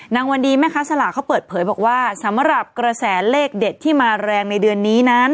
วันดีแม่ค้าสลากเขาเปิดเผยบอกว่าสำหรับกระแสเลขเด็ดที่มาแรงในเดือนนี้นั้น